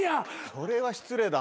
それは失礼だ。